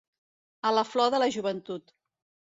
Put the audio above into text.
A la flor de la joventut.